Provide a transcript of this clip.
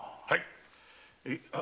はい。